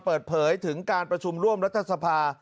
เปิดเผยถึงการประชุมร่วมรัฐสภา